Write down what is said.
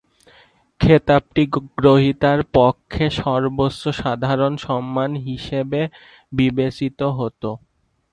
খেতাবটি গ্রহীতার পক্ষে সর্বোচ্চ সাধারণ সম্মান হিসেবে বিবেচিত হতো।